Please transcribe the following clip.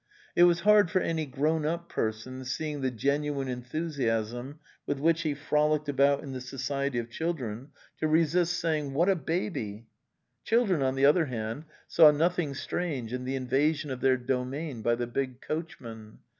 It was hard for any grown up person, seeing the genu ine enthusiasm with which he frolicked about in the society of children, to resist saying, '' What a baby!" Children, on the other hand, saw nothing strange in the invasion of their domain by the big coachman.